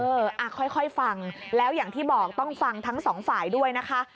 ค่อยฟังแล้วอย่างที่บอกต้องฟังทั้งสองฝ่ายด้วยนะคะ